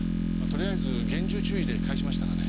とりあえず厳重注意で帰しましたがね。